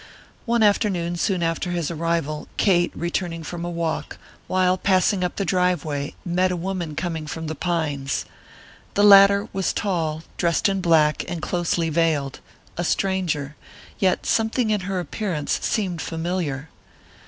One afternoon soon after his arrival Kate, returning from a walk, while passing up the driveway met a woman coming from The Pines. The latter was tall, dressed in black, and closely veiled, a stranger, yet something in her appearance seemed familiar.